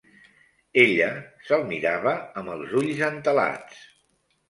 Ella se'l mirava amb els ulls entelats